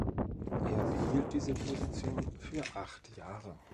Er behielt diese Position für acht Jahre.